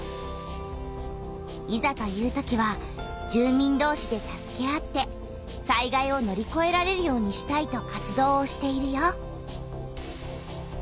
いざというときは住民どうしで助け合って災害を乗りこえられるようにしたいと活動をしているよ。